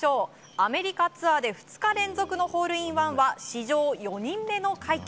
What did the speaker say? アメリカツアーで２日連続のホールインワンは史上４人目の快挙。